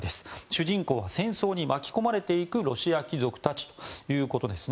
主人公は戦争に巻き込まれていくロシア貴族たちということです。